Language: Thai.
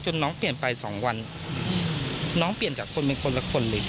น้องเปลี่ยนไปสองวันน้องเปลี่ยนจากคนเป็นคนละคนเลย